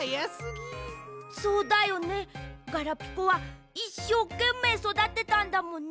そうだよねガラピコはいっしょうけんめいそだてたんだもんね。